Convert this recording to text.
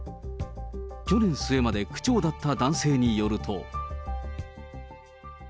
去年末まで区長だった男性によると。